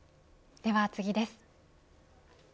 では次です。